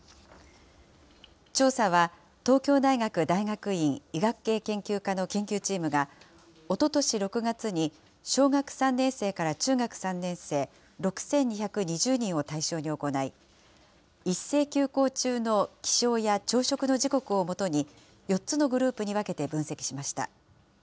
調査は、東京大学大学院医学系研究科の研究チームが、おととし６月に、小学３年生から中学３年生６２２０人を対象に行い、一斉休校中の起床や朝食の時刻をもとに、４つのグループに分けて分析しました。